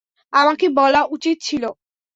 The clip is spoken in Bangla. আমাকে বলা উচিত ছিলো!